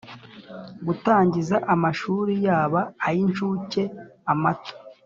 Gutangiza amashuri yaba ay incuke amato